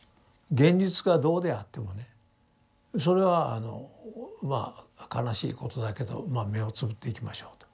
現実がどうであってもねそれはあのまあ悲しいことだけどまあ目をつぶっていきましょうと。